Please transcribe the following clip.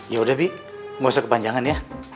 yaudah bi gausah kepanjangan ya